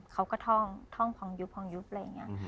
เขาก็ท่องท่องพองยุพว์งั้นอย่างนี้